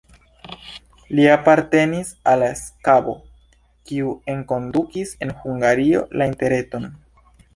Li apartenis al la stabo, kiu enkondukis en Hungario la interreton.